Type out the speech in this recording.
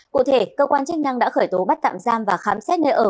cụ thể cơ quan chức năng đã khởi tố bắt tạm giam và khám xét nơi ở